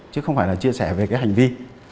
chứ không phải là chia sẻ về cái hành vi